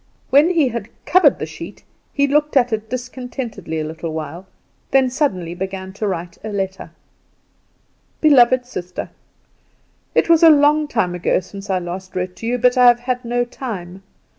When he had covered the sheet, he looked at it discontentedly a little while, then suddenly began to write a letter: "Beloved Sister, "It is a long while since I last wrote to you, but I have had no time.